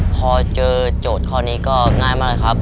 พอเจอโจทย์ข้อนี้ก็ง่ายมากเลยครับ